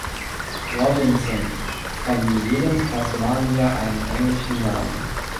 Robinson verlieh jedem Tasmanier einen englischen Namen.